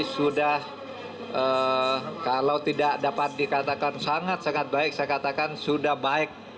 sudah kalau tidak dapat dikatakan sangat sangat baik saya katakan sudah baik